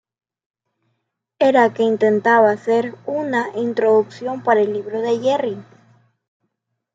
era que intentaba hacer una “Introducción” para el libro de Jerry.